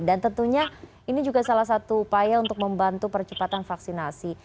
dan tentunya ini juga salah satu upaya untuk membantu percepatan vaksinasi